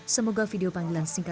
semoga video pastinya bisa bermanfaat